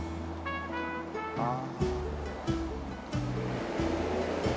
ああ。